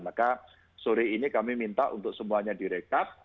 maka sore ini kami minta untuk semuanya direkap